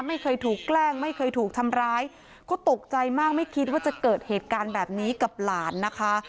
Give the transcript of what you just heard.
ไม่เคยถูกแกล้งไม่เคยถูกทำร้ายก็ตกใจมากไม่คิดว่าจะเกิดเหตุการณ์แบบนี้กับหลานนะคะ